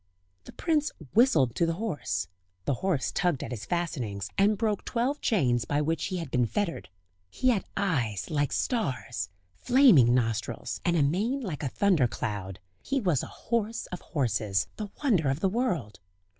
The prince whistled to the horse; the horse tugged at his fastenings, and broke twelve chains by which he had been fettered. He had eyes like stars, flaming nostrils, and a mane like a thunder cloud; ... he was a horse of horses, the wonder of the world.